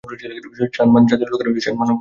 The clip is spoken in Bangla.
শান জাতির লোকেরা বিস্তীর্ণ শান মালভূমিতে বাস করে।